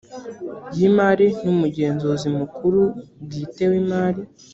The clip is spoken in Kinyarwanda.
y imari n umugenzuzi mukuru bwite w imari